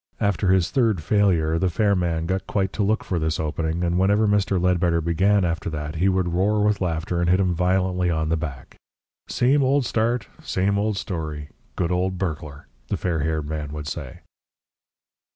After his third failure, the fair man got quite to look for this opening, and whenever Mr. Ledbetter began after that, he would roar with laughter and hit him violently on the back. "Same old start, same old story; good old burglar!" the fair haired man would say.